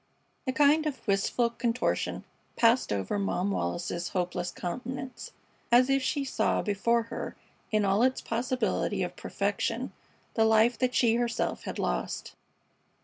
A kind of wistful contortion passed over Mom Wallis's hopeless countenance, as if she saw before her in all its possibility of perfection the life that she herself had lost.